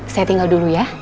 saya tinggal dulu ya